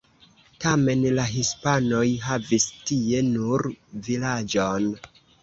Tamen la hispanoj havis tie nur vilaĝon.